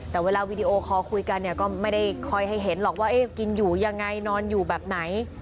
แต่เวลาวีดีโอคอลคุยกันเนี่ยก็ไม่ได้คอยให้เห็นหรอกว่ากินอยู่ยังไงนอนอยู่แบบไหน